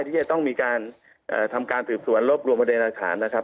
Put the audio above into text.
ที่จะต้องมีการทำการถืบสวนรบรวมบรินาคารนะครับ